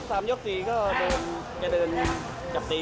สามยกสี่ก็จะเดินจับจีนะครับ